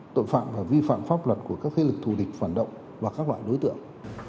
tội phạm và vi phạm pháp luật của các thế lực thù địch phản động và các loại đối tượng